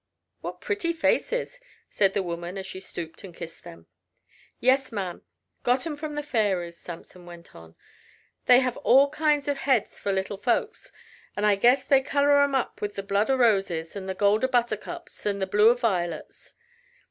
"What pretty faces!" said the woman as she stooped and kissed them. "Yes, ma'am. Got 'em from the fairies," Samson went on. "They have all kinds o' heads for little folks, an' I guess they color 'em up with the blood o' roses an' the gold o' buttercups an' the blue o' violets.